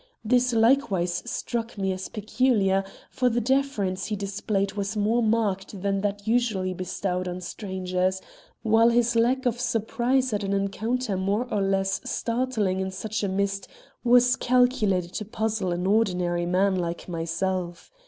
This likewise struck me as peculiar, for the deference he displayed was more marked than that usually bestowed on strangers, while his lack of surprise at an encounter more or less startling in such a mist was calculated to puzzle an ordinary man like myself.